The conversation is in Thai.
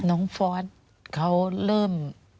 น้องฟ้อสเขาเริ่ม